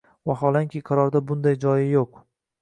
Vaholanki, qarorda bunday joyi yo‘q.